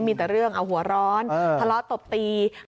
มีแต่เรื่องเอาหัวร้อนทะเลาะตบตี